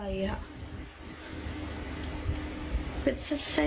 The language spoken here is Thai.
เย็นเลยอ่ะ